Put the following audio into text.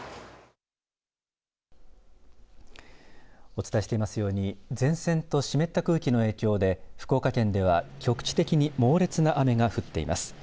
お伝えしていますように前線と湿った空気の影響で福岡県では局地的に猛烈な雨が降っています。